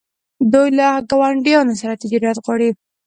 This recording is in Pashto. دوی له ګاونډیانو سره تجارت غواړي.